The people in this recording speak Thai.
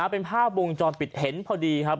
เป็นภาพวงจรปิดเห็นพอดีครับ